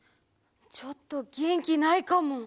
ちょっとげんきないかも。